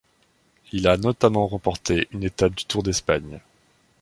Il a notamment remporté une étape du Tour d'Espagne.